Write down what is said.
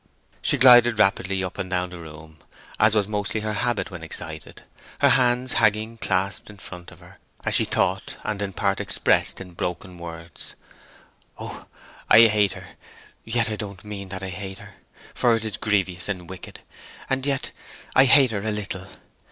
She glided rapidly up and down the room, as was mostly her habit when excited, her hands hanging clasped in front of her, as she thought and in part expressed in broken words: "O, I hate her, yet I don't mean that I hate her, for it is grievous and wicked; and yet I hate her a little!